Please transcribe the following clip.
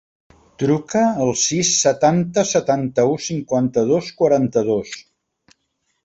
Truca al sis, setanta, setanta-u, cinquanta-dos, quaranta-dos.